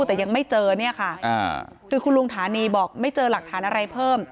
แต่ยังไม่เจอเนี่ยค่ะคือคุณลุงฐานีบอกไม่เจอหลักฐานอะไรเพิ่ม